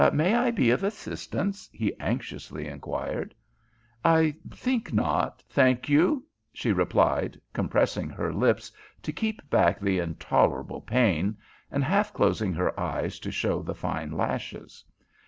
"May I be of assistance?" he anxiously inquired. "I think not, thank you," she replied, compressing her lips to keep back the intolerable pain, and half closing her eyes to show the fine lashes.